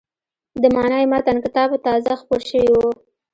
د «معنای متن» کتاب تازه خپور شوی و.